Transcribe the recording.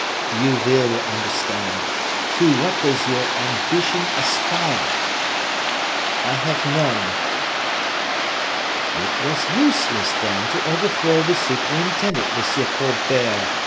"You will understand. To what does your ambition aspire?" "I have none." "It was useless, then, to overthrow the superintendent, Monsieur Colbert.